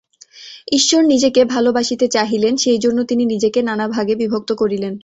ঈশ্বর নিজেকে ভালবাসিতে চাহিলেন, সেই জন্য তিনি নিজেকে নানা ভাগে বিভক্ত করিলেন।